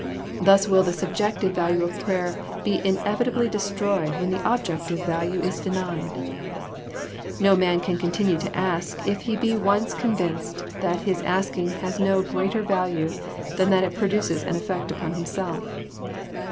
Thus will the subjective value of prayer be inevitably destroyed when the objective value is denied. No man will continue to ask if he be once con vinced that his asking has no greater value than that it produces an effect upon himself.